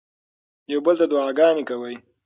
یو بل ته دعاګانې کوئ.